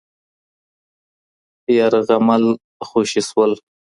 یارغمل خوشې شول